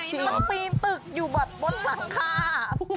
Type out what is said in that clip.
มันปีนตึกอยู่แบบบนหลังคา